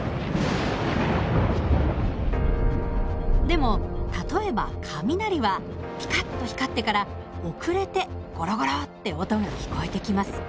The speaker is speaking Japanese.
でも例えば雷はピカッと光ってから遅れてゴロゴロって音が聞こえてきます。